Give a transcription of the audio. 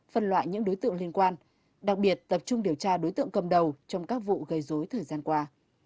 phân loại những đối tượng liên quan đặc biệt tập trung điều tra đối tượng cầm đầu trong các vụ gây dối thời gian qua